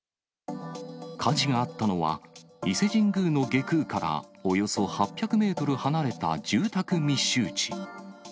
火事があったのは、伊勢神宮の外宮からおよそ８００メートル離れた住宅密集地。